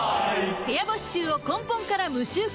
部屋干し臭を根本から無臭化